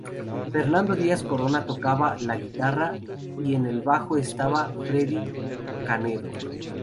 Fernando Díaz Corona tocaba la guitarra y en el bajo estaba Freddie Canedo.